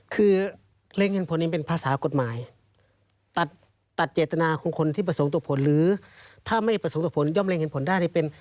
คือเล็งเห็นผลยังเป็นภาษากฎหมายตัดเจตนาของคนที่ประสงค์ต่อผลหรือถ้าไม่ประสงค์ต่อผลย่อมเร็งเห็นผลได้เป็น